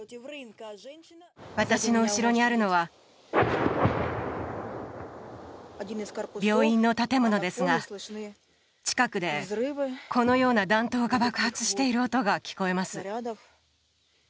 私に後ろにあるのは、病院の建物ですが、近くで、このような弾頭が爆発している音が聞こえます。